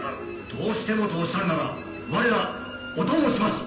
どうしてもとおっしゃるならわれらお供します！